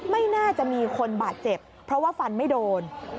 ไม่น่าจะมีคนบาดเจ็บเพราะว่าฟันไม่โดน